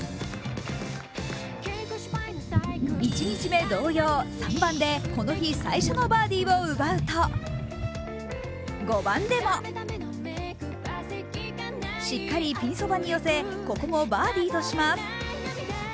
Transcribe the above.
１日目同様、３番でこの日最初のバーディーを奪うと、５番でもしっかりピンそばに寄せ、ここもバーディーとします。